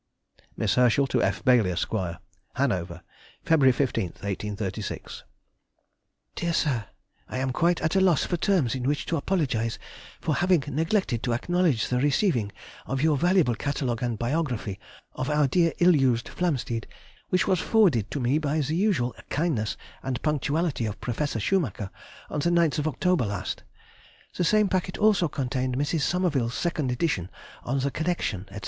MISS HERSCHEL TO F. BAILY, ESQ. HANOVER, Feb. 15, 1836. DEAR SIR,— I am quite at a loss for terms in which to apologize for having neglected to acknowledge the receiving of your valuable Catalogue and biography of our dear ill used Flamsteed, which was forwarded to me by the usual kindness and punctuality of Prof. Schumacher on the 9th October last. The same packet also contained Mrs. Somerville's second edition "On the Connexion," &c.